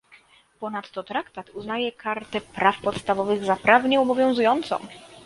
Ponadto Traktat uznaje Kartę praw podstawowych za prawnie obowiązującą